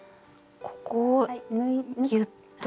ここをギュッと。